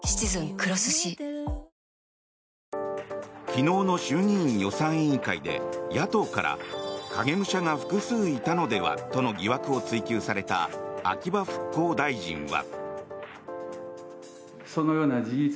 昨日の衆議院予算委員会で野党から影武者が複数いたのではとの疑惑を追及された秋葉復興大臣は。